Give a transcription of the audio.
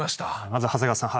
まず長谷川さん。